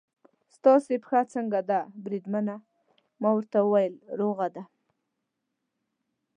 ستاسې پښه څنګه ده بریدمنه؟ ما ورته وویل: روغه ده.